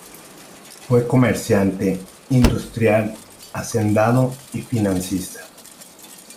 Fue comerciante, industrial, hacendado y financista.